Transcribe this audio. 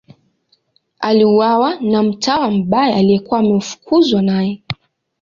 Aliuawa na mtawa mbaya aliyekuwa ameafukuzwa naye.